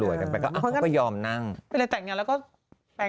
เวลาเข้าทะลองน้ำเสร็จก็เอาลงไง